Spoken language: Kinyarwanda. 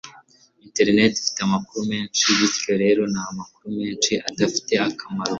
Internet ifite amakuru menshi bityo rero namakuru menshi adafite akamaro